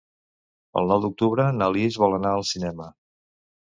El nou d'octubre na Lis vol anar al cinema.